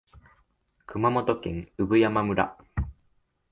熊本県産山村